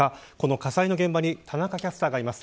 火災の現場に田中キャスターがいます。